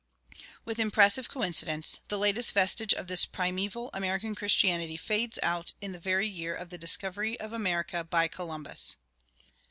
With impressive coincidence, the latest vestige of this primeval American Christianity fades out in the very year of the discovery of America by Columbus.